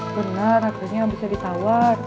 bener harganya gak bisa ditawar